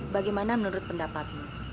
bagaimana menurut pendapatmu